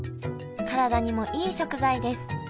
体にもいい食材です。